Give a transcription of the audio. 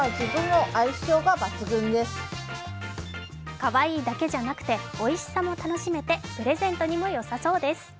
かわいいだけじゃなくておいしさも楽しめてプレゼントにもよさそうです。